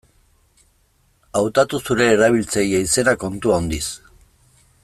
Hautatu zure erabiltzaile-izena kontu handiz.